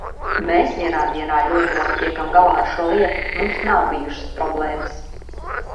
Mēs vienā dienā ļoti labi tiekam galā ar šo lietu, mums nav bijušas problēmas.